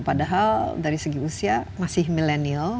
padahal dari segi usia masih milenial